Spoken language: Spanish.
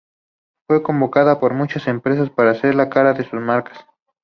Fue convocada por muchas empresas para ser la cara de sus marcas.